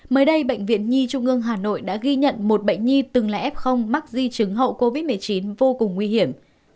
mới đây bệnh viện nhi trung ương hà nội đã ghi nhận một bệnh nhi từng là f mắc di chứng hậu covid một mươi chín vô cùng nguy hiểm